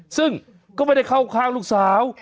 ซึ่งก็ไม่ได้เข้าข้างลูกสาว